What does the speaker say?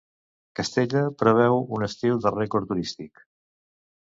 Castella preveu un estiu de rècord turístic.